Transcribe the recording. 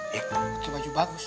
pakai baju bagus